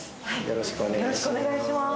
よろしくお願いします